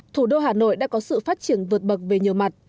thủ đô hà nội đã có sự phát triển vượt bậc về nhiều mặt